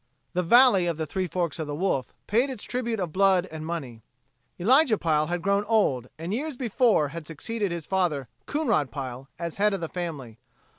The "Valley of the Three Forks o' the Wolf" paid its tribute of blood and money. Elijah Pile had grown old and years before had succeeded his father, Coonrod Pile, as head of the family.